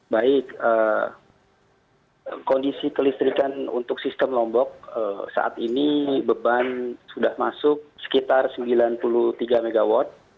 baik kondisi kelistrikan untuk sistem lombok saat ini beban sudah masuk sekitar sembilan puluh tiga mw